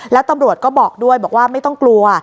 แล้วตำรวจก็บอกด้วยบอกว่าไม่ต้องกลัว